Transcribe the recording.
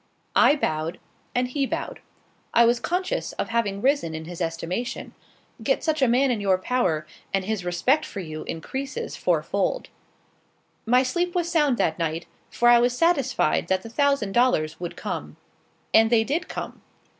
I bowed, and he bowed. I was conscious of having risen in his estimation. Get such a man in your power, and his respect for you increases fourfold. My sleep was sound that night, for I was satisfied that the thousand dollars would come. And they did come.